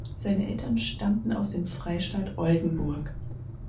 Seine Eltern stammten aus dem Freistaat Oldenburg.